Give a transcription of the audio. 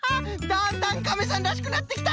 だんだんカメさんらしくなってきた！